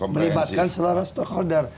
melibatkan seluruh stakeholder